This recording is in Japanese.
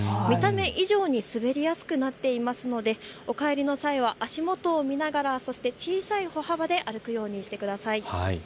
見た目以上に滑りやすくなっていますのでお帰りの際は足元を見ながら小さい歩幅で歩くようにしてください。